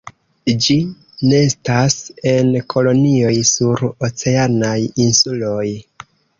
Ĝi nestas en kolonioj sur oceanaj insuloj.